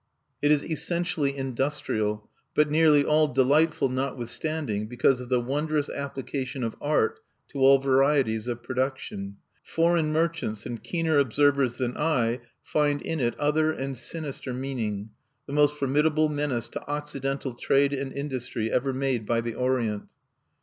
It is essentially industrial, but nearly all delightful, notwithstanding, because of the wondrous application of art to all varieties of production. Foreign merchants and keener observers than I find in it other and sinister meaning, the most formidable menace to Occidental trade and industry ever made by the Orient.